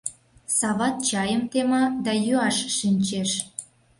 Сават чайым тема да йӱаш шинчеш.